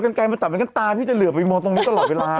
กางแกนมาตัดเป็นกับตาที่จะเหลือไปมองตรงนี้ตลอดเวลา